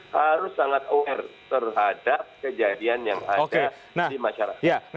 harus sangat aware terhadap kejadian yang ada di masyarakat